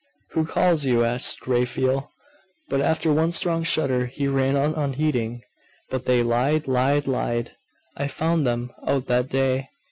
'Who calls you?' asked Raphael; but after one strong shudder she ran on, unheeding 'But they lied, lied, lied! I found them out that day....